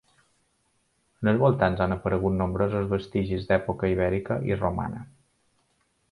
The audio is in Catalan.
En els voltants han aparegut nombrosos vestigis d'època ibèrica i romana.